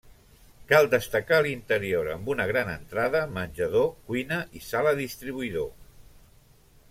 Cal destacar l'interior amb una gran entrada, menjador, cuina i sala distribuïdor.